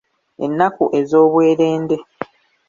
Ennaku ezoobwerende.